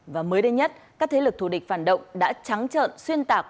và mới đây nhất các thế lực thù địch phản động đã trắng trợn xuyên tạc